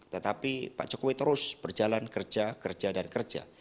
tetapi pak jokowi terus berjalan kerja kerja dan kerja